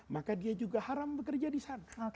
maka dia juga haram bekerja disana